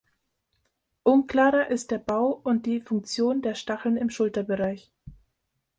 Unklarer ist der Bau und die Funktion der Stacheln im Schulterbereich.